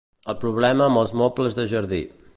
El problema amb els mobles de jardí.